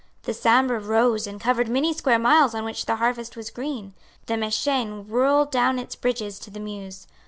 The Sambre rose and covered many square miles on which the harvest was green. The Mehaigne whirled down its bridges to the Meuse.